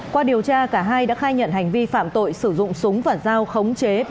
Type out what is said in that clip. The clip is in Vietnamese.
qua điều tra cả hai đã khai nhận hành vi phạm tội sử dụng súng và dao khống chế